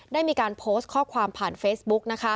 ได้มีการโพสต์ข้อความผ่านเฟซบุ๊ก